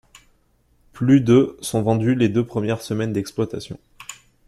Plus de sont vendues les deux premières semaines d'exploitation.